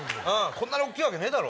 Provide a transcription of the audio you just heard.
こんなに大っきいわけねえだろ！